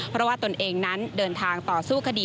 เพราะว่าตนเองนั้นเดินทางต่อสู้คดี